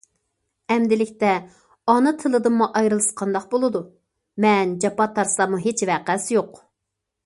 ئەمدىلىكتە ئانا تىلىدىنمۇ ئايرىلسا قانداق بولىدۇ؟ مەن جاپا تارتساممۇ ھېچ ۋەقەسى يوق!